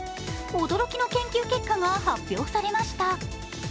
驚きの研究結果が発表されました。